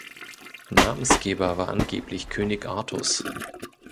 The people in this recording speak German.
Namensgeber war angeblich König Artus.